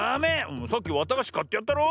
さっきわたがしかってやったろ。